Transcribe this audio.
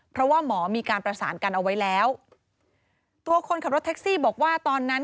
เพราะว่าหมอมีการประสานกันเอาไว้แล้วตัวคนขับรถแท็กซี่บอกว่าตอนนั้น